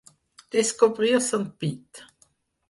Descobrir son pit.